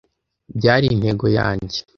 byari intego yanjye.